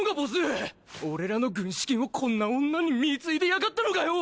俺らの軍資金をこんな女に貢いでやがったのかよ！